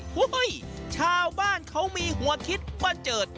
เฮ้ยชาวบ้านเขามีหัวคิดบันเจิด